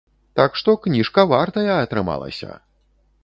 Так што, кніжка вартая атрымалася!